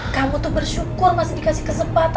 kamu tuh bersyukur masih dikasih kesempatan